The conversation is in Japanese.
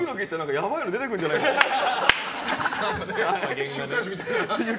やばいの出てくるんじゃないかって。